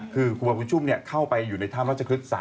ครูบาบุญชุ่มเข้าไปอยู่ในท่ามรัชคฤษ